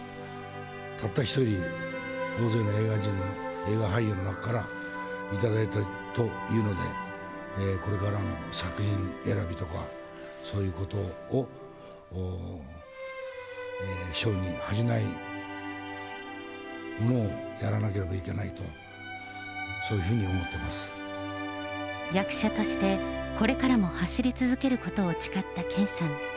たった一人、大勢の映画人の、映画俳優の中から、頂いたというので、これからの作品選びとか、そういうことを、章に恥じないものをやらなければいけないと、そういうふうに思っ役者としてこれからも走り続けることを誓った健さん。